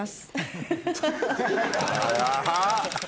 あら？